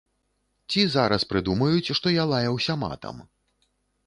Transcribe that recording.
Ці зараз прыдумаюць, што я лаяўся матам.